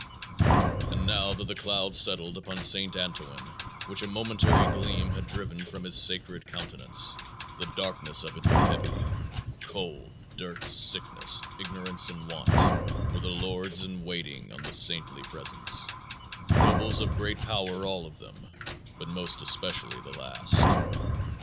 "And now that the cloud settled upon Saint Antoine which a momentary gleam had driven from his sacred countenance, the darkness of it was heavy cold, dirt, sickness, ignorance and want, were the lords in waiting on the saintly presence nobles of great power all of them; but most especially the last.